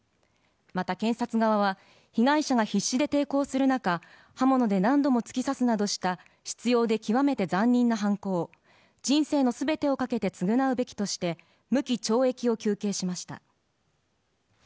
また、検察側は被害者が必死で抵抗する中刃物で何度も突き刺すなどした執拗で極めて残忍な犯行人生の全てをかけて償うべきとして無期懲役を求刑しました。